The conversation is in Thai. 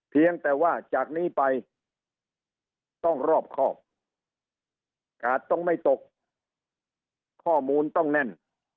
เพียงแต่ว่าจากนี้ไปต้องรอบครอบกาดต้องไม่ตกข้อมูลต้องแน่น